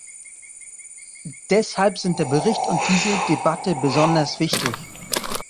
Deshalb sind der Bericht und diese Debatte besonders wichtig.